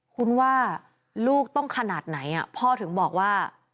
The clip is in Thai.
คุณว่าลูกต้องขนาดไหนพ่อถึงบอกว่า